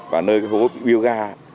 và nơi hố biêu gà